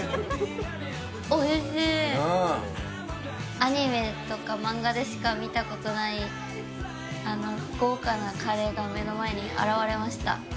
アニメとか漫画でしか見たことがない豪華なカレーが目の前に現れました。